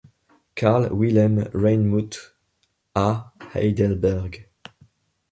Karl Wilhelm Reinmuth à Heidelberg.